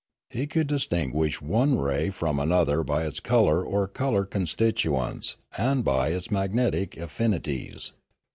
He could distinguish one ray from another by its colour or colour constituents and by its magnetic affiuities.